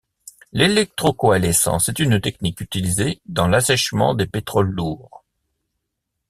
L’électro-coalescence est une technique utilisée dans l'assèchement des pétroles lourds.